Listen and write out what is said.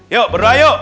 yuk berdoa yuk